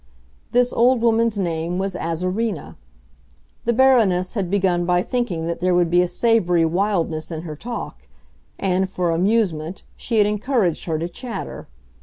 This old woman's name was Azarina. The Baroness had begun by thinking that there would be a savory wildness in her talk, and, for amusement, she had encouraged her to chatter.